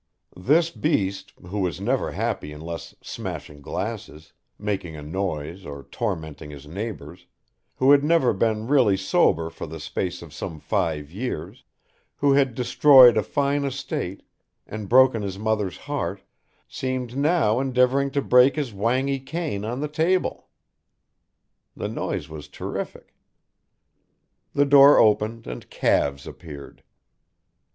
This beast, who was never happy unless smashing glasses, making a noise or tormenting his neighbours, who had never been really sober for the space of some five years, who had destroyed a fine estate, and broken his mother's heart, seemed now endeavouring to break his wanghee cane on the table. The noise was terrific. The door opened and calves appeared.